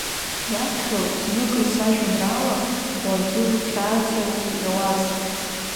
Иаԥхьо, зныкыр сажәеинраала, уаргьы иухьаазар иауаз.